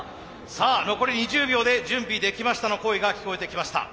さあ残り２０秒で「準備できました」の声が聞こえてきました。